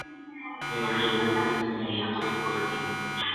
اې گل گوتې څوڼې دې، ټک کایتک کي مه اچوه